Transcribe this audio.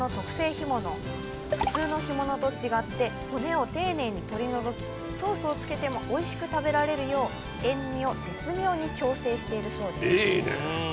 普通の干物と違って骨を丁寧に取り除きソースをつけてもおいしく食べられるよう塩味を絶妙に調整しているそうです。